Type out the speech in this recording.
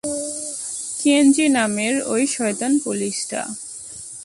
কেনজি নামের ঐ শয়তান পুলিশটা।